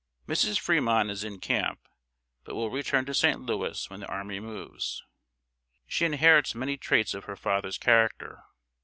Mrs. Fremont is in camp, but will return to Saint Louis when the army moves. She inherits many traits of her father's character.